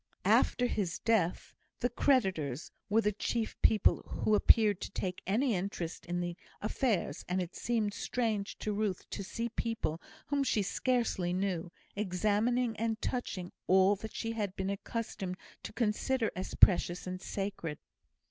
After his death, the creditors were the chief people who appeared to take any interest in the affairs; and it seemed strange to Ruth to see people, whom she scarcely knew, examining and touching all that she had been accustomed to consider as precious and sacred.